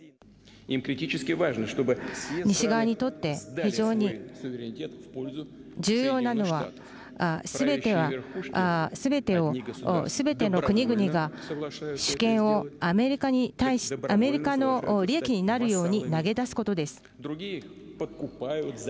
西側にとって非常に重要なのはすべての国々が主権をアメリカの利益になるように投げ出すことです。